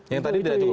yang tadi tidak cukup